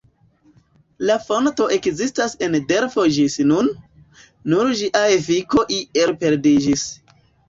La fonto ekzistas en Delfo ĝis nun, nur ĝia efiko iel perdiĝis.